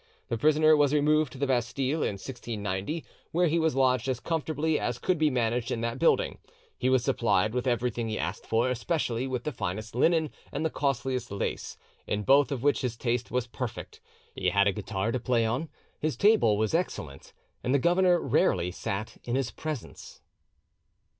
The prisoner was removed to the Bastille in 1690, where he was lodged as comfortably as could be managed in that building; he was supplied with everything he asked for, especially with the finest linen and the costliest lace, in both of which his taste was perfect; he had a guitar to play on, his table was excellent, and the governor rarely sat in his presence."